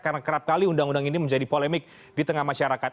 karena kerap kali undang undang ini menjadi polemik di tengah masyarakat